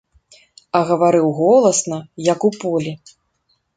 А гаварыў голасна, як у полі.